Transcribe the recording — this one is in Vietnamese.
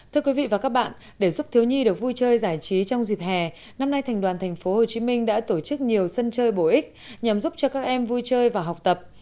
thưa quý vị và các bạn để giúp thiếu nhi được vui chơi giải trí trong dịp hè năm nay thành đoàn tp hcm đã tổ chức nhiều sân chơi bổ ích nhằm giúp cho các em vui chơi và học tập